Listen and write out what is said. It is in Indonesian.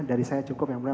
dari saya cukup yang boleh